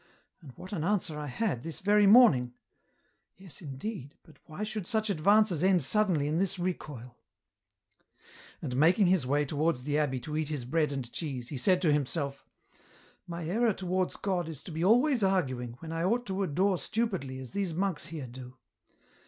And what an answer I had, this very morning ? Yes, indeed, but why should such advances end suddenly in this recoil ?" And making his way towards the abbey to eat his bread and cheese, he said to himself :" My error towards God is to be always arguing, when I ought to adore stupidly as these monks here do.